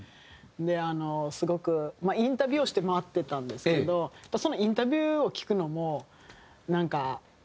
あのすごくインタビューをして回ってたんですけどそのインタビューを聞くのもなんか申し訳ないなみたいな。